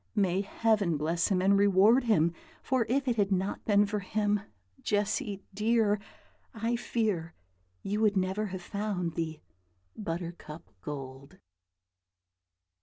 May Heaven bless him and reward him! for if it had not been for him, Jessy dear, I fear you would never have found the 'Buttercup Gold.'"